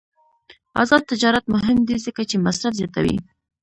آزاد تجارت مهم دی ځکه چې مصرف زیاتوي.